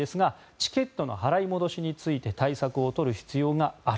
チケットの払い戻しについて対策をとる必要がある。